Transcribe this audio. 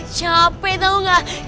capek tau gak